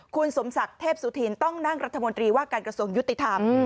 คุณสมศักดิ์เทพสุธินต้องนั่งรัฐมนตรีว่าการกระทรวงยุติธรรม